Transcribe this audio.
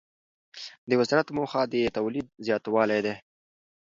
د وزارت موخه د تولید زیاتوالی دی.